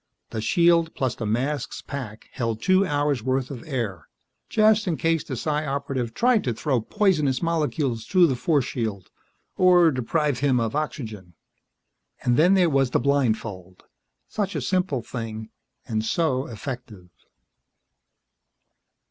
The shield plus the mask's pack held two hours' worth of air just in case the Psi Operative tried to throw poisonous molecules through the force shield, or deprive him of oxygen. And then there was the blindfold. Such a simple thing, and so effective.